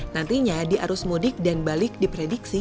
nantinya diarus mudik dan balik diprediksi